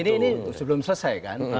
ini sebelum selesai kan